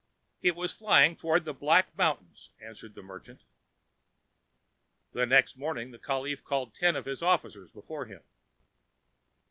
"It was flying toward the Black Mountains," answered the merchant. The next morning the caliph called ten of his officers before him.